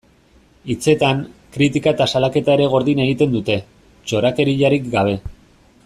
Hitzetan, kritika eta salaketa ere gordin egiten dute, txorakeriarik gabe.